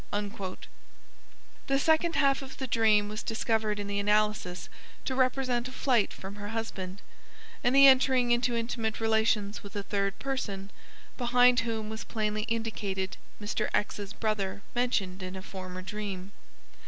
"_ The second half of the dream was discovered in the analysis to represent a flight from her husband, and the entering into intimate relations with a third person, behind whom was plainly indicated Mr. X.'s brother mentioned in a former dream.